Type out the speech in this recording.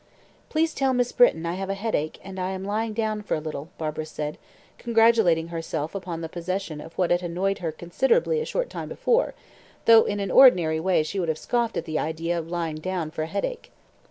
"Please tell Miss Britton I have a headache, and am lying down for a little," Barbara said, congratulating herself upon the possession of what had annoyed her considerably a short time before, though in an ordinary way she would have scoffed at the idea of lying down for a headache.